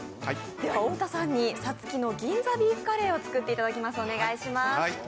太田さんにさっきの銀座ビーフカレーを作っていただきます、お願いします。